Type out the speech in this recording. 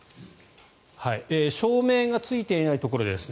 照明がついていないところですね